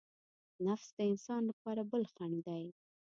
نفس د انسان لپاره بل خڼډ دی.